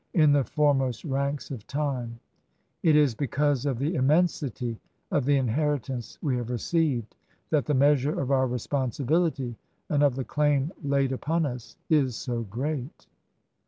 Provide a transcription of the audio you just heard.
* In the foremost ranks of time^ — it is because of the immensity of the inheritance we have received that the measure of our responsibility and of the claim laid upon us is so great."